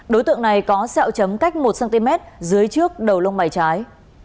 đối tượng này có xeo chấm cách một cm dưới trước đầu lông mày trái